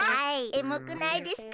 エモくないですか？